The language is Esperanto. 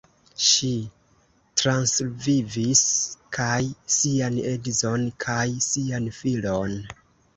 Ŝi transvivis kaj sian edzon kaj sian filon.